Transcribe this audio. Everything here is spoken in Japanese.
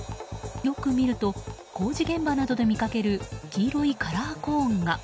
よく見ると工事現場などで見かける黄色いカラーコーンが。